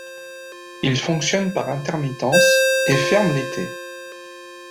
Il fonctionne par intermittence et ferme l'été.